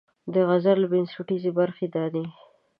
د غزل بنسټیزې برخې دا دي: